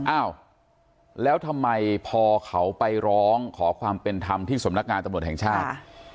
อ้าวแล้วทำไมพอเขาไปร้องขอความเป็นธรรมที่สำนักงานตำรวจแห่งชาติ